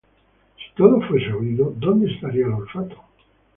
Si todo fuese oído, ¿dónde estaría el olfato?